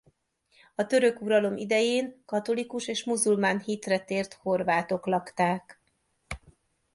A török uralom idején katolikus és muzulmán hitre tért horvátok lakták.